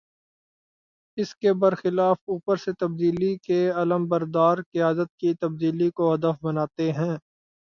اس کے بر خلاف اوپر سے تبدیلی کے علم بردار قیادت کی تبدیلی کو ہدف بناتے ہیں۔